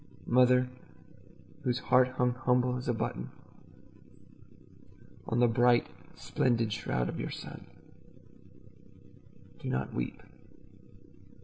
Mother whose heart hung humble as a button On the bright splendid shroud of your son, Do not weep.